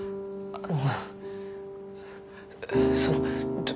あの。